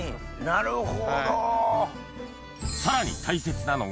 なるほど。